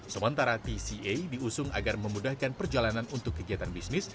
sementara tca diusung agar memudahkan perjalanan untuk kegiatan bisnis